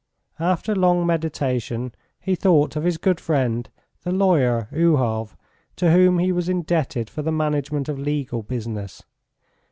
After long meditation he thought of his good friend, the lawyer Uhov, to whom he was indebted for the management of legal business.